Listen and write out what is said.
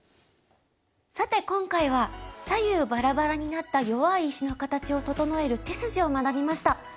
さて今回は左右バラバラになった弱い石の形を整える手筋を学びました。